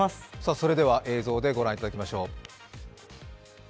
それでは映像で御覧いただきましょう。